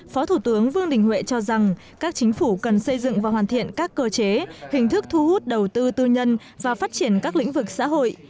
phó thủ tướng vương đình huệ cho rằng các chính phủ cần xây dựng và hoàn thiện các cơ chế hình thức thu hút đầu tư tư nhân và phát triển các lĩnh vực xã hội